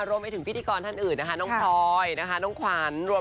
โรมไปถึงพี่ธิกรทานอื่นนะคะน้องพลอยควรน้องควร